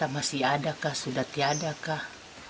masih ada kah sudah tidak ada kah